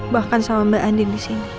bahkan sama mbak andin disini